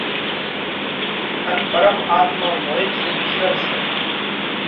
ان پرم آتما موئين ٿِي نِيھرل سئہ